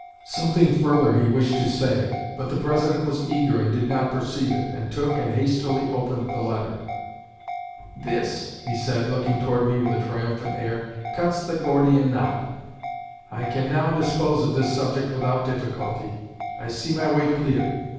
Something further he wished to say; but the President was eager and did not perceive it, and took and hastily opened the letter. 'This,' said he, looking toward me with a triumphant air, 'cuts the Gordian Knot. I can now dispose of this subject without difficulty, I see my way clear.'